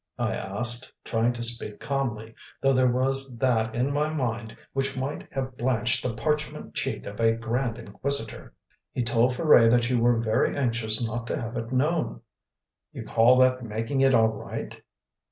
I asked, trying to speak calmly, though there was that in my mind which might have blanched the parchment cheek of a grand inquisitor. "He told Ferret that you were very anxious not to have it known " "You call that making it all right?"